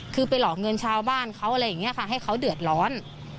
คือไปหลอกเงินชาวบ้านเขาอะไรอย่างนี้ค่ะให้เขาเดือดร้อน